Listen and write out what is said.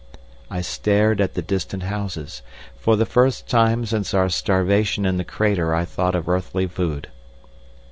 I stared at the distant houses. For the first time since our starvation in the crater I thought of earthly food.